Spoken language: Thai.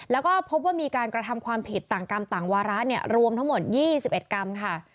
แล้วก็พบว่ามีการกระทำความผิดต่างกรรมต่างวาระรวมทั้งหมด๒๑กรรมค่ะ